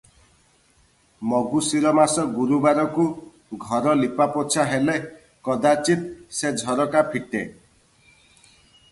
ମଗୁଶିର ମାସ ଗୁରୁବାରକୁ ଘର ଲିପାପୋଛା ହେଲେ କଦାଚିତ୍ ସେ ଝରକା ଫିଟେ ।